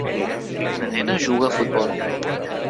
Una nena juga a futbol.